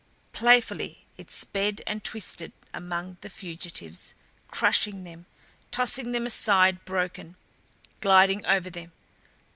Playfully it sped and twisted among the fugitives, crushing them, tossing them aside broken, gliding over them.